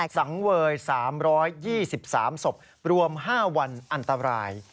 สังเวย๓๒๓ศพรวม๕วันอันตราย